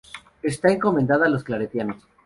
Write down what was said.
Está encomendada a los claretianos.